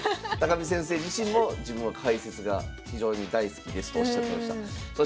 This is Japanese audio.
見先生自身も自分は解説が非常に大好きですとおっしゃってました。